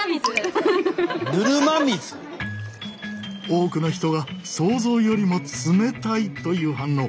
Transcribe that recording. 多くの人が想像よりも冷たいという反応。